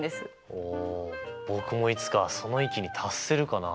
お僕もいつかその域に達せるかなあ？